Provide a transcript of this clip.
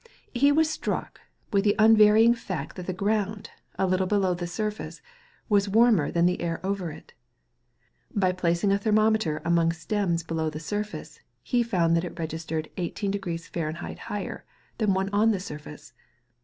He was struck with the unvarying fact that the ground, a little below the surface, was warmer than the air over it. By placing a thermometer among stems below the surface, he found that it registered 18° Fahr. higher than one on the surface.